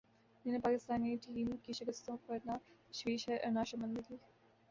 جنہیں پاکستانی ٹیم کی شکستوں پر نہ تشویش ہے اور نہ شرمندگی